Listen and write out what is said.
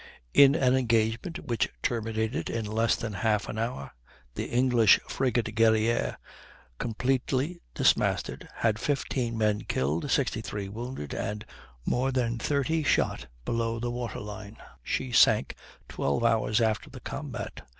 "In an engagement which terminated in less than half an hour, the English frigate Guerrière, completely dismasted, had fifteen men killed, sixty three wounded, and more than thirty shot below the water line. She sank twelve hours after the combat.